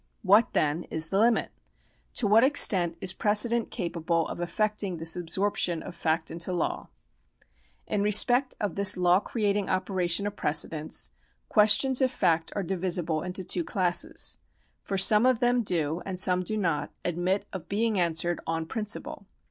What, then, is the limit ? To what extent is precedent capable of effecting this absorption of fact into law ? In respect of this law creating operation of precedents, questions of fact are divisible into two classes. Eor some of them do, and some do not, admit of being answered on principle.